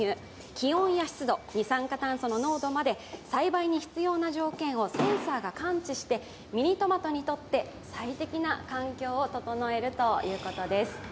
気温や湿度、二酸化炭素の濃度まで栽培に必要な条件をセンサーが感知して、ミニトマトにとって、最適な環境を整えるということです。